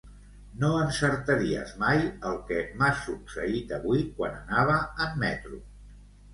No encertaries mai el que m'ha succeït avui quan anava en metro.